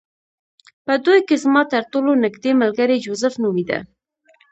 په دوی کې زما ترټولو نږدې ملګری جوزف نومېده